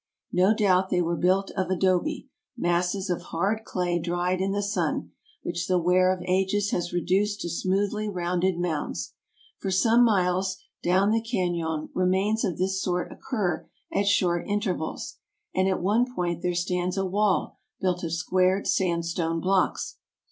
No doubt they were built of adobe — masses of hard clay dried in the sun — which the wear of ages has reduced to smoothly rounded mounds. For some miles down the canon remains of this sort occur at short in tervals, and at one point there stands a wall built of squared sandstone blocks.